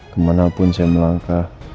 kemanapun saya melangkah